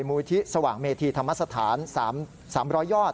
มูลที่สว่างเมธีธรรมสถาน๓๐๐ยอด